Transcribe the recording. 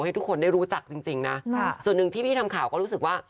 ให้ทุกคนได้รู้จักจริงนะส่วนหนึ่งที่พี่ทำข่าวก็รู้สึกว่า